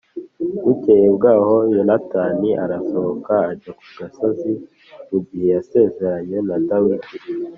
Bukeye bwaho Yonatani arasohoka ajya ku gasozi mu gihe yasezeranye na Dawidi